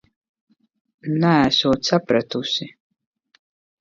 Neesot sapratusi...